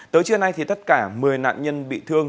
tới trưa nay thì tất cả một mươi nạn nhân bị thương